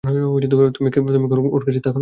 তুমি কি ওর কাছে থাকো না?